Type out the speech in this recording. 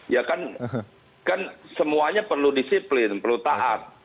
ya kan semuanya perlu disiplin perlu taat